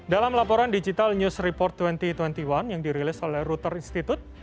dalam laporan digital news report dua ribu dua puluh satu yang dirilis oleh router institute